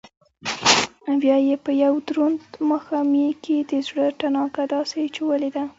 او يا يې په يو دروند ماښامي کښې دزړه تڼاکه داسې چولې ده